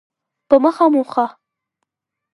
په مخه مو ښه